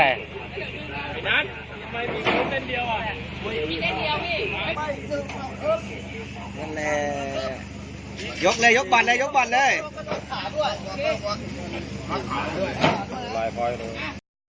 ไอ้นัทมีเท่าเดียวอ่ะมีเท่าเดียวนั่นแหละยกเลยยกบันเลยยกบันเลย